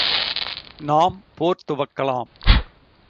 நாம் போர் துவக்கலாம்!.